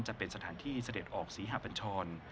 จะเป็นสถานที่เสด็จออกศรีหะปัญชร